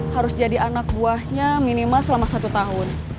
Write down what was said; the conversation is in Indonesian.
harus jadi anak buahnya minimal selama satu tahun